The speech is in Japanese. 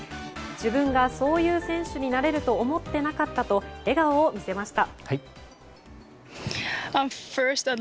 自分がそういう選手になれると思っていなかったと笑顔を見せました。